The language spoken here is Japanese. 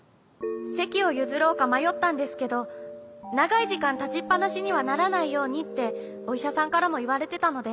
せきをゆずろうかまよったんですけどながいじかんたちっぱなしにはならないようにっておいしゃさんからもいわれてたので。